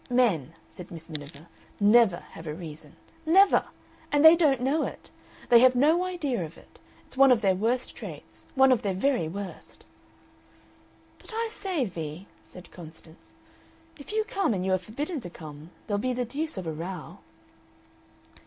"Men," said Miss Miniver, "NEVER have a reason. Never! And they don't know it! They have no idea of it. It's one of their worst traits, one of their very worst." "But I say, Vee," said Constance, "if you come and you are forbidden to come there'll be the deuce of a row."